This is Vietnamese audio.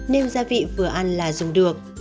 nêm gia vị vừa ăn là dùng được